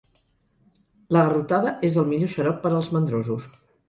La garrotada és el millor xarop per als mandrosos.